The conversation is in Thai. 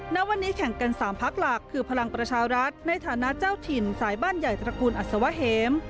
ณวันนี้แข่งกัน๓พักหลักคือพลังประชารัฐในฐานะเจ้าถิ่นสายบ้านใหญ่ตระกูลอัศวะเหม